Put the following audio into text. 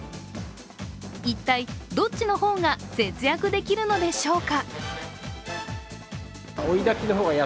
一体どっちの方が節約できるのでしょうか。